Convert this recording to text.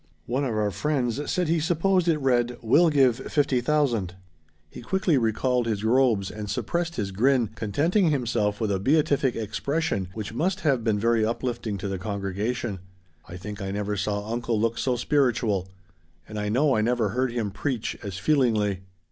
One of our friends said he supposed it read, 'Will give fifty thousand.' He quickly recalled his robes and suppressed his grin, contenting himself with a beatific expression which must have been very uplifting to the congregation. I think I never saw uncle look so spiritual. And I know I never heard him preach as feelingly.